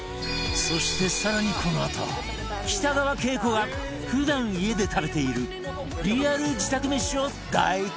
そして更にこのあと北川景子が普段家で食べているリアル自宅めしを大公開！